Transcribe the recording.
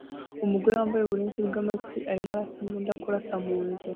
Umugore wambaye uburinzi bwamatwi arimo arasa imbunda kurasa mu nzu